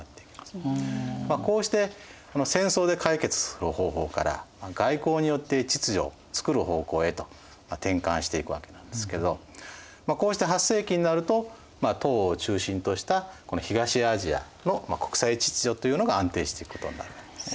こうして戦争で解決する方法から外交によって秩序をつくる方向へと転換していくわけなんですけどこうして８世紀になると唐を中心とした東アジアの国際秩序というのが安定していくことになるわけですね。